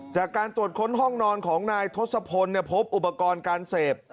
จากการตรวจค้นห้องนอนของนายทศพลพบอุปกรณ์การเสพ